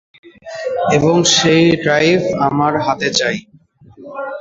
এবং সেই ড্রাইভ আমার হাতে চাই।